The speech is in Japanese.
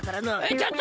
ちょっと！